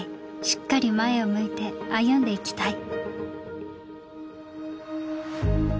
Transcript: しっかり前を向いて歩んでいきたい」。